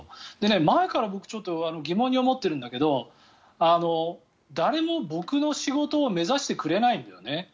前から僕、ちょっと疑問に思っているんだけど誰も僕の仕事を目指してくれないんだよね。